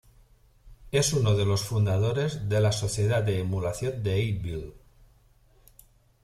Es uno de los fundadores de la Sociedad de Emulación de Abbeville.